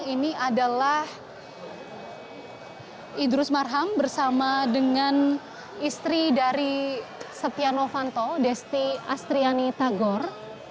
ini adalah idrus marham bersama dengan istri dari setia novanto desti astriani tagor